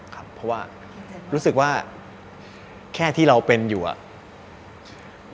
ครับเพราะว่ารู้สึกว่าแค่ที่เราเป็นอยู่อ่ะ